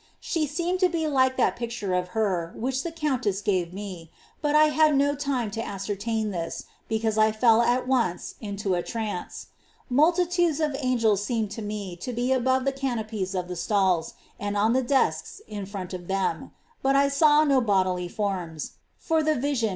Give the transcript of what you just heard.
She seemed to be like that picture of her which the Countess^ gave me ; but I had no time to ascertain this, because I fell at once into a trance. Multitudes of angels seemed to me to be above the canopies of the stalls, and on the desks in front of them ; bujb I saw no bodily forms, for the vision was ^ Cant.